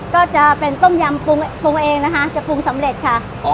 ก็จะเป็นต้มยำปรุงปรุงเองนะคะจะปรุงสำเร็จค่ะ